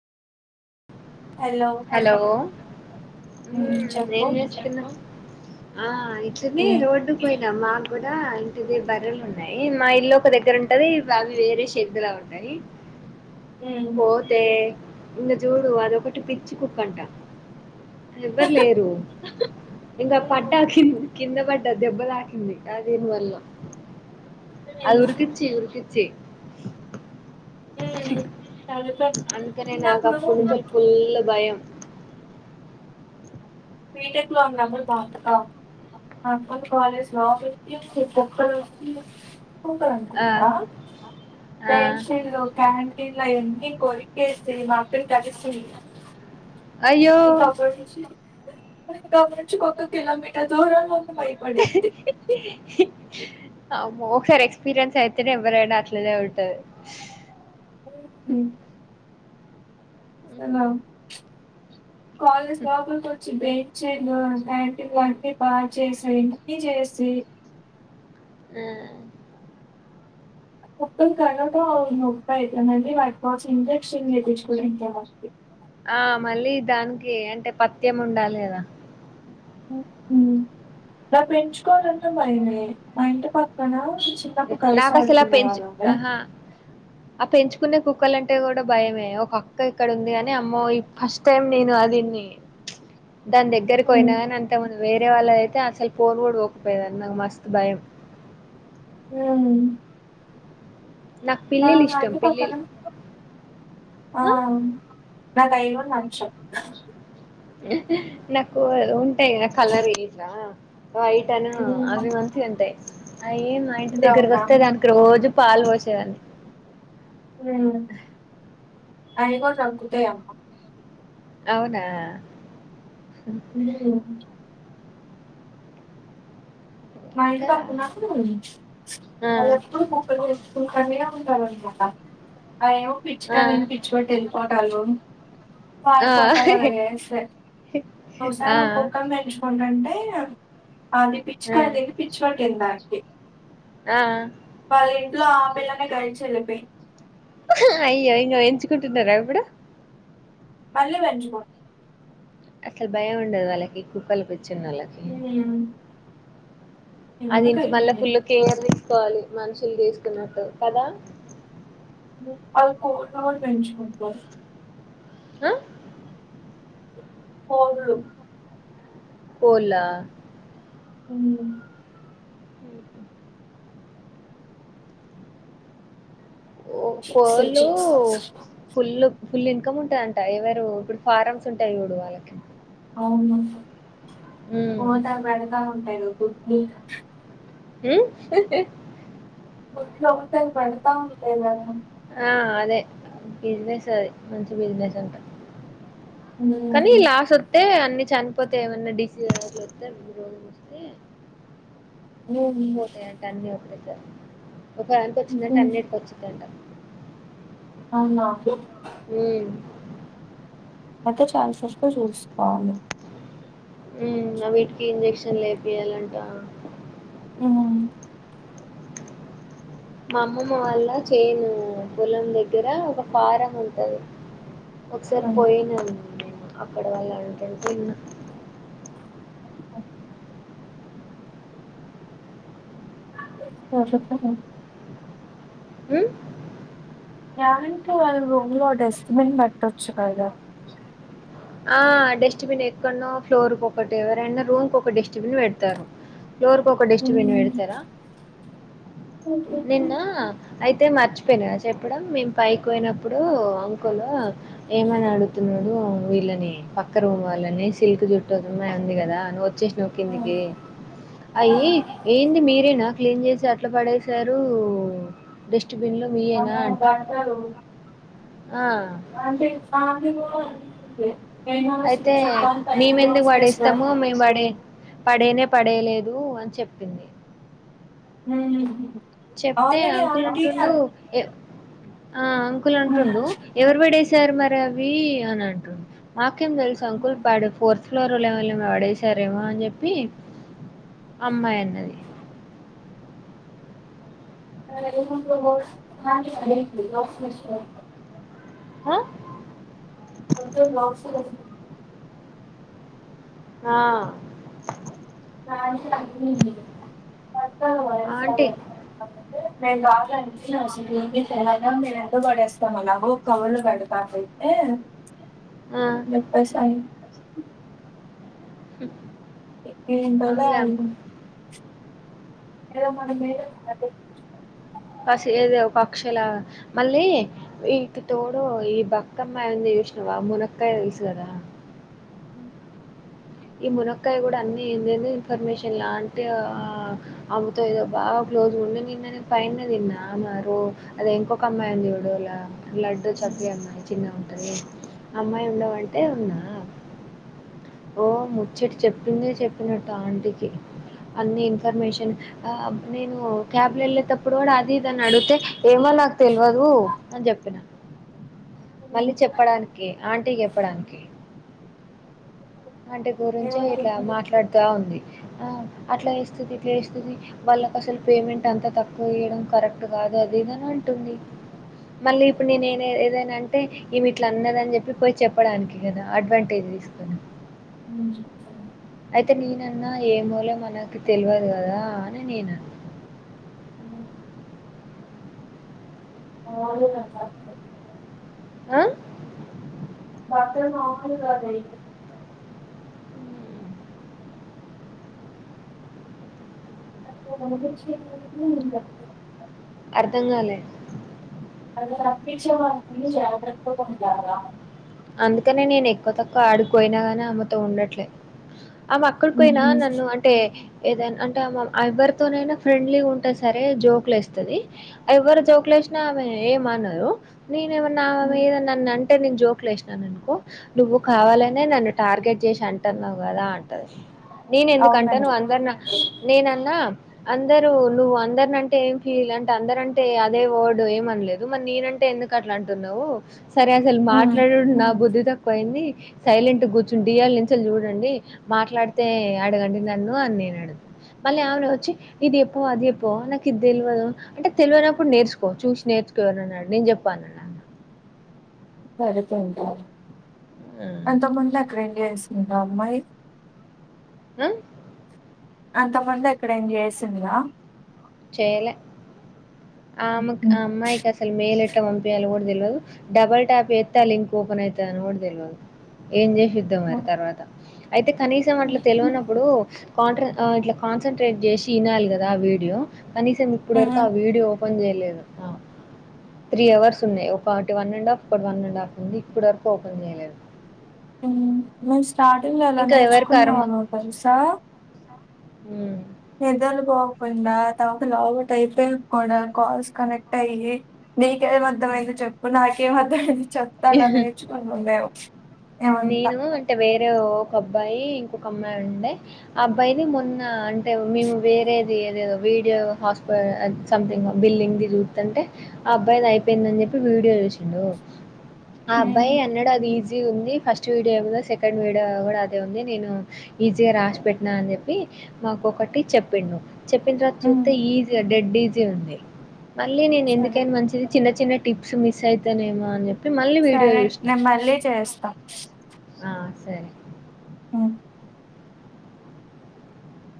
Hello హ్మ్ ఏం చెప్పు చేస్తున్నావ్ ఆ ఇట్నే ఏ రోడ్డు పోయిన అమ్మా ఇక్కడ ఇంటిది బర్రె లు ఉన్నాయి మా ఇల్లు ఒక దగ్గర ఉంటది అవి వేరే షడ్ లో ఉంటాయి హ్మ్ పోతే ఇగ జూడు అదొకటి పిచ్చి కుక్కంట ఎవ్వరు లేరు ఇంకా పడ్డా కింద పడ్డ దెబ్బ తాకింది అ దానివల్ల అది ఉరికిచ్చి పిచ్చి హ్మ్ చదువుకో అందుకనే నాకు చిన్నప్పుడు అప్పనుంచి ఫుల్ భయం చీకటిలో అప్పుడు బయటికి రావద్దు మా కాలేజీ లోపలికి ఇ కుక్కలు వచ్చి ఆ ఉంటదనుకుంటా ఆ ఫెన్సీలు క్యాంటీన్ లో అయి అన్ని కోరికేసి మాఅక్కను కరిసింది అయ్యో ఇంకా అప్పటి నుంచి ఇంకా మించుకోక కిలోమీటర్ దూరంగా ఉండి బయిపడిద్ది అమ్మో ఒకసారి ఎక్స్పీరియన్స్ అయితేనే ఎవ్వరైనా అట్లనేే ఉంట ఉమ్ హ్ సెల్లా కాలేజ్ లోపలికి ఒచ్చింది చెల్లూ ఇలాంటివి అన్ని బా చేసేవి అన్ని చేసి ఉమ్ ఒక్కల్ కల్లాట నొప్పయితందన్ ని వాట్కొచ్చి ఇంజెక్షన్ చేపిచుకొండి ఇంకా ఏమన్ ఆ మళ్ళీ దానికి అంటే పత్యం ఉండాలి గదా ఉ ఉమ్ నా పెంచుకోవాలంటే బయమే మా ఇంటి పక్కన చిన్నప్పుడు కలిసి నాక్ అసల్ ఆ పెంచ్ ఆడుకునేవాళ్ళండి. ఆహా ఆ పెంచ్ కునే కుక్కలు అంటే కూడా బయమే ఒక అక్క ఇక్కడ ఉంది గాని అమ్మోయి ఇ ఫస్ట్ టైం నేను అ దిన్ని దాని దగ్గెరికి ఒయిన హ్మ్. గాని అంతకు ముందు వేరే వాళ్ళదైతే అసల్ పోను కూడ ఒక్ పోయేదాన్ని నాకు మస్తు బయం యా ఉ నాకు నా పిల్లిలిష్టం. వండికొ పిల్లిలు కణం ఆ నాక్ అయి కూడా నచ్చవు నాకు అ ఉంటయి ఆ కలరి గిట్లా వైటను అవి హ్మ్. మంచిగ ఉంటయి అయి మా ఇంటి దగ్గరకి బ్రౌనా? ఒస్తే దానికి రోజు పాలు పోసే దాన్ని ఉమ్ అయిగో సంకుతయి అమ్మ అవునా ఉ ఉమ్ మా ఇంటి ఇంకా పక్ ఉన్నప్పుడు ఆ! వాళ్లేప్పుడు మొక్కల్ చూసుకుంటనే ఉంటారనుకుంట అ ఏయో ఆ! పిచ్చుకల్ ఇన్పించుకుంటా ఎల్లిపోటాళ్ళు ఆ! పారిపోటా గదా ఎస్తే ఆ! ఒసారి ఒ కుక్కని పెంచుకుంటంటే అది ఆ! పిచ్చికని తిని పిచ్చి పట్టింది దానికి ఆ! వాళ్ళ ఇంట్లో ఆ పిల్లని [unintelligible] ఎళ్ళిపోయి అహా అయ్యాఅయ్యో ఎంచుకుంటున్నారా ఇప్పుడు మళ్ళీ వెంచుకున్ అసల్ బయం ఉండదు వాళ్ళకి కుక్కల పిచ్చి ఉన్నోళ్ళకి హ్మ్. ఆ దీనికి మళ్ళ ఎందుకండి ఫుల్ కేర్ తీసుకోవాలి. మనుషులు తీసుకున్నట్టు కదా అల్ కోడ్లు కూడ పెంచుకుంటాన్ అ కోడ్లు కోళ్ళా అంబ ఒ చిక్స్ కోళ్ళూ చిక్స్ ఫుల్ ఫుల్ ఇన్కమ్ ఉంటదంట ఎవరూ ఇప్పుడు ఫారంమ్స్ ఉంటాయి చూడు వాళ్ళకి అవును హ్మ్. పోతా పెడతా ఉంటాయిగా గుడ్లు ఉమ్ గుడ్లు [unintelligible] పెడతా ఉంటయి గదా ఆ అదే బిజినెస్ అది మంచి బిజినెస్ అంట కనీ హ్మ్. లాస్ ఒత్తే అన్ ని చనిపోతయి ఏమన్నా డిసీస్ అట్ల ఒత్తే రోగం ఒస్తే హ్మ్. పోతాయట అన్ని ఒకటే సారి ఒక దానికి ఉహూ. ఒచ్చిందంటే అన్నిటికి ఒచ్చిందంట అవునా మ్మ్ అయితే ఛాన్సెస్ తో చూసుకోవాలి మ్మ్ వీటికి ఇంజెక్షన్లు ఎపియాలంటా హ్మ్. మా అమ్మమ్మ వాళ్ళ చేను పొలం దగ్గర ఒక ఫారం ఉంటది ఒకసారి హ్మ్. పోయిన నేను అక్కడ వాళ్ళు అంటుంటే విన్న ఎవరు చెప్పారు హ్మ్ ఈ ఆంటి రూంలో డిస్ట్బిన్ పెట్టొచ్చు కదా ఆ డస్ట్బిన్ ఎక్కనో ఫ్లోర్కి ఒకటి ఎవరైనా రూమ్కి ఒక డస్ట్బిన్ పెడతారు ఫ్లోర్ ఒక డస్ట్బిన్ హ్మ్. పెడతారా నిన్న అయితే మర్చి అయిపోయిన చెప్పడం మేం పైకి ఒయినప్పుడు అంకుల్ ఏమని అడుతున్నాడు వీ ఇలనే పక్క రూమ్ వాళ్ళని సిల్క్ జుట్టు అమ్మాయి ఉంది కదా వచ్చేసినవ కిందికి అయ్యి ఏంది మీరే నా క్లీన్ చేసి అట్లా పడే సారు డస్ట్బిన్లో మీయేనా అమ్మో! బట్టలు ఆ! [inaudible] అయితే స్విచ్ ఆన్ పైన మేము ఎందుకు రోల్స్ వేసిన పాడేస్తాము మేము పడే పడేనే పడేలేదు అని చెప్పింది మ్ హు చెప్తే అంకుల్ అంటుండు ఆ అంకుల్ అంటుండు ఏమంటారు ఎవరు పడేశారు మరి అవి అని అంటుండు మాకేం తెలుసు అంకుల్ పడె ఫోర్ ఫ్లోర్ ఎవల్ అన్న పడేశారేమో అని చెప్పి అమ్మాయి అన్నది [inaudible] అ! [inaudible] ఆ... [inaudible] [unintelligible] ఆంటీ మేము ఎందుకు పడేస్తాము అన్నావు కవర్లు పెడతా నంటే ఆ చెప్పేసా నేను మ్ ఎంటోలా అడిగి ఏదో మనమేదో ప ఏదో ఒక అక్షలాగ మళ్ళీ ఇటు తోడు ఈ బకమ్మాయి ఉంది జేస్నవ మునక్కయ తెలుసు కదా అ ఈ మునక్కాయ కూడా అన్ని ఎందేదో ఇన్ఫర్మేషన్ లాంటి ఆ ఆమెతో ఏదో బాగా రోజు కూడా నిన్ననే పైనే తిన్న మరో అది ఇంకోక అమ్మయి ఉంది జూడుల లడ్డు చబ్బీ అమ్మాయి చిన్నగా ఉంటది అమ్మాయి ఉండమంటే ఉన్నా ఓ ముచ్చట చెప్పిందే చెప్పినట్టు ఆంటీకి అన్ని ఇన్ఫర్మేషన్ అ నేను క్యాబ్ లో వెళ్ళేటప్పుడు కూడా అది ఇది అని అడిగితే ఏమో నాక్ తెల్వదు అని జేప్పిన [inaudible] మళ్ళీ చెప్పడానికే ఆంటీకి చెప్పడానికి ఆంటీ గురించే ఇట్లా మాట్లాడతా ఉంది ఆ అట్లా ఎస్తది ఇట్లా ఎస్తది వాళ్ళకి అసలు పేమెంట్ అంతా తక్కువ ఇయడం కరెక్ట్ గాద్ అదో దినను అంటుంది మళ్ళీ ఇప్పుడు నేన్ ఏదే ఏదైనా అంటే, ఈమె ఇట్లా అన్నదని చెప్పి పోయి చెప్పడానికి కదా అడ్వాంటేజ్. ఇస్తాను. నేను జెప్పను. అయితే నేనన్నా ఏమోలే మనకు తెల్వదు కదా అని నేనన్నా. మ్ హూ ఖాళీగా ఉన్నా. అ అసలు మాములు కాదేఇక అ మహిచి ఉ [unintelligible] అర్ధంగాలలే వాళ్ళు రప్పించే వరకు జాగర్తగా ఉండాల. అందుకనే నేను ఎక్కువ తక్కువ ఆడికిపోయినా గాని అమెతో ఉండట్లే. ఆమా అక్కడి పోయినా నన్ను అంటే ఏదైనా అంటే, ఆమె ఎవ్వరితోనైనా ఫ్రెండ్లీగా ఉంటాది. సరే జోక్లు ఎస్తాది. ఎవరు జోక్లు చుసిన ఆమె ఏమనరు. నేను ఏమైనా ఆమె మీద నన్న అంటే జోక్ లేసినా ననుకో నువ్వు కావాలనే నన్ను టార్గెట్ చేసి అంటన్నావు కదా అంటది. నేను ఎందుకంట నువ్ అవునండి అందరి నా నేనన్నా. అందరూ నువ్వు అందరినింటే ఏం ఫీల్ అంటే అందరంటే అదే వర్డ్ ఏమనలేదు మరి నేనంటే ఎందుకు అట్లా అంటున్నావు సరే అసలు మాట్లాడుడు నా బుద్ధి తక్కువ పోయింది సైలెంట్ గూర్చుండి ఈయట్లనించి చూడండి మాట్లాడితే అడగండి నన్ను అంది. [inaudible] మళ్ళీ ఆమెనే వచ్చి ఇది చెప్పు అది దెప్పు నాకు ఇది తెలవదు అంటే తెలవనప్పుడు నేర్చుకో పో చూసి నేర్చుకో అని అన్నాడు నేను చెప్ప అని అన్నా సరె [unintelligible] పో ఆ! అంత ముందకేం ఎస్ గా అమ్మాయి అ అంతకుముందు ఎక్కడై నా చేసిందా చేయలే ఆమేక్ అ హ్మ్. అమ్మాయికి అసలు మెయిల్ ఎట్టా ఎట్లా పంపియాలో కూడా తెల్వదు డబల్ టాప్ చెత్తే లింక్ ఓపన్ అవుతుంది అని కూడా తెల్వద్ ఏం చే. యుద్ధంమరి తర్వాత అయితే కనీసం అట్లా హ్మ్. తెలివనప్పుడు కాంట్రా ఇట్లా కాన్సన్ట్రేట్ చేసి ఇనాలి కదా. ఆ వీడియో కనీసం ఇప్పడు వరకు ఆ వీడియో ఓపెన్ చేయలేదు. త్రీ అవర్స్ ఉన్నాయి. ఒకటి వన్ అండ్ హఫ్ ఒకటి వన్ అండ్ హాఫ్ నుంది ఇప్పటి వరకు ఓపెన్ చేయలేదు. మేము స్టార్టింగ్లో ఎలా ఇంకా ఎవరి నేర్చుకున్నామో తెలుసా? మ్ నిద్రలు పోకుండా తమకు లాగౌట్ అయిపోయి కూడా కాల్స్ కనెక్ట్ అయ్యి నీకేమ్ అర్ధమైంది చెప్పు నాకేమ్ అర్ధమైంది చెప్తా లా నేర్చుకొని ఉండలేవు. నేను అంటే వేర్ ఒక అబ్బాయి ఇంకొక అమ్మాయి ఉండే ఆ అబ్బాయిని మొన్న అంటే మేము వేరేది ఏదేదో వీడియో హాస్పి సంథింగ్ బిల్డింగ్ ది చూత్తూఉంటే ఆ అబ్బాయిది అయిపోయిందని చెప్పి. వీడియో చేసిండు ఆ అబ్బాయి హ్మ్. అన్నాడు అది ఈజీ గ ఉంది. ఫస్ట్ వీడియో ఏముందో సెకండ్ వీడియో కూడా అదే ఉంది. నేను ఈజీగా రాసిపెట్టినా అని చెప్పి మాకు ఒకటి చెప్పిండు. చెప్పిన తర్వాత హ్మ్. చూస్తే ఈజీ డెడ్ ఈజీ ఉంది. మళ్ళీ నేను సరే. ఎందుకైన మంచిది చిన్న చిన్న టిప్స్ మిస్ అయితానేమో అని చెప్పి సరే నేన్ మళ్ళీ చేస్తా. ఆ సరే హ్మ్.